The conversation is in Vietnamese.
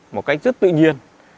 một cách rất tự nhiên